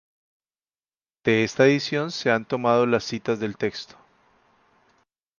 De esta edición se han tomado las citas del texto.